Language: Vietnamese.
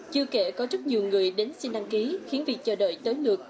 chưa kể có rất nhiều người đến xin đăng ký khiến việc chờ đợi tới lượt